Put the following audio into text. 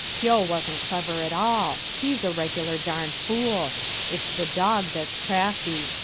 Pio wasn't clever at all; he's a regular darned fool. It's the Dog that's crafty.